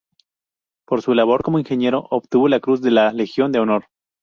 Por su labor como ingeniero obtuvo la Cruz de la Legión de Honor.